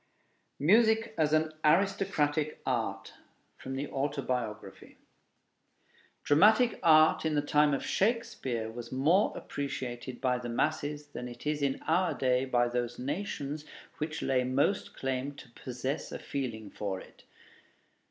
MUSIC AS AN ARISTOCRATIC ART From the Autobiography Dramatic art in the time of Shakespeare was more appreciated by the masses than it is in our day by those nations which lay most claim to possess a feeling for it.